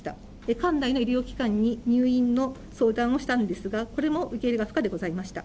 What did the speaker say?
管内の医療機関に入院の相談をしたんですが、これも受け入れが不可でございました。